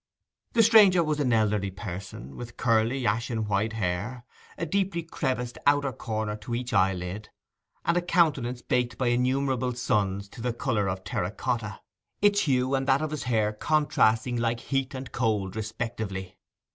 The stranger was an elderly person, with curly ashen white hair, a deeply creviced outer corner to each eyelid, and a countenance baked by innumerable suns to the colour of terra cotta, its hue and that of his hair contrasting like heat and cold respectively.